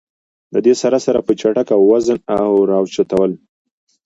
د دې سره سره پۀ جټکه وزن را اوچتول